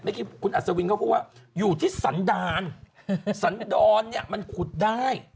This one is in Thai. เมื่อกี้คุณอัศวินเขาพูดว่าอยู่ที่สันดารสันดรเนี่ยมันขุดได้